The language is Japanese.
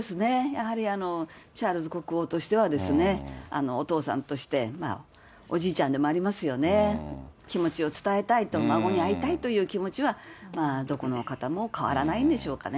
やはりチャールズ国王としてはですね、お父さんとして、おじいちゃんでもありますよね、気持ちを伝えたいと、孫に会いたいという気持ちは、どこの方も変わらないんでしょうかね。